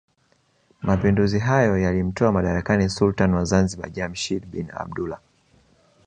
Mapinduzi hayo yaliyomtoa madarakani sultani wa Zanzibar Jamshid bin Abdullah